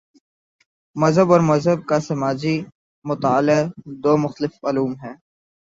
مذہب اور مذہب کا سماجی مطالعہ دو مختلف علوم ہیں۔